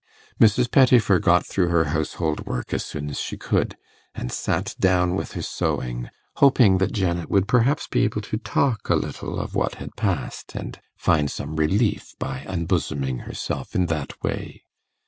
Mrs. Pettifer got through her household work as soon as she could, and sat down with her sewing, hoping that Janet would perhaps be able to talk a little of what had passed, and find some relief by unbosoming herself in that way.